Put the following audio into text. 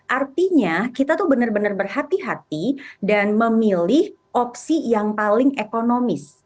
artinya kita tuh benar benar berhati hati dan memilih opsi yang paling ekonomis